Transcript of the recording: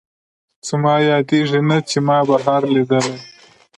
زما یادېږي نه، چې ما بهار لیدلی